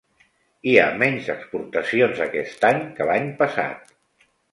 Hi ha menys exportacions aquest any que l'any passat